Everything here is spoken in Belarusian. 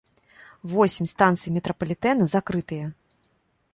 Восем станцый метрапалітэна закрытыя.